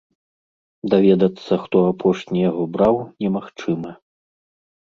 Даведацца, хто апошні яго браў, немагчыма.